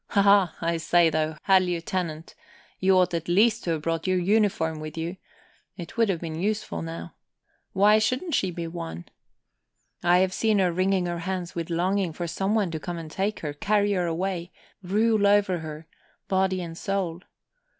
Haha! I say, though, Herr Lieutenant, you ought at least to have brought your uniform with you. It would have been useful now. Why shouldn't she be won? I have seen her wringing her hands with longing for someone to come and take her, carry her away, rule over her, body and soul.